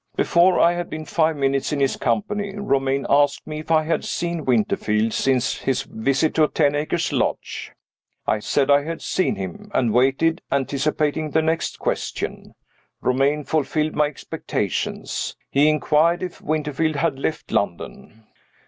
Before I had been five minutes in his company, Romayne asked me if I had seen Winterfield since his visit to Ten Acres Lodge. I said I had seen him, and waited, anticipating the next question. Romayne fulfilled my expectations. He inquired if Winterfield had left London.